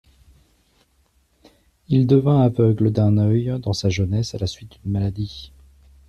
Il devint aveugle d'un œil dans sa jeunesse à la suite d'une maladie.